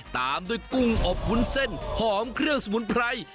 ตามด้วยกุ้งอบวุ้นเส้นหอมเครื่องสมุนไพร